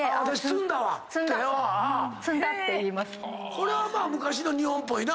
これは昔の日本っぽいな。